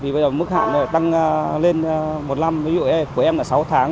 bây giờ mức hạn tăng lên một năm ví dụ của em là sáu tháng